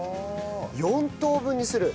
４等分にする？